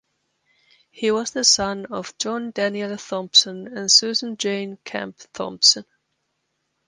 He was the son of John Daniel Thompson and Susan Jane (Camp) Thompson.